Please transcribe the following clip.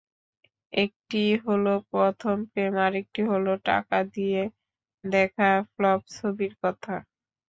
একটি হলো প্রথম প্রেম, আরেকটি হলো টাকা দিয়ে দেখা ফ্লপ ছবির কথা।